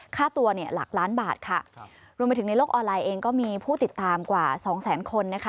ค่าตัวเนี่ยหลักล้านบาทค่ะรวมไปถึงในโลกออนไลน์เองก็มีผู้ติดตามกว่าสองแสนคนนะคะ